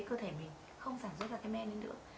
cơ thể mình không sản xuất ra cái men nữa